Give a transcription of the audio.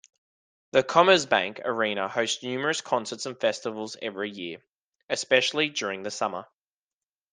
The Commerzbank-Arena hosts numerous concerts and festivals every year, especially during the summer.